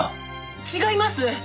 違います！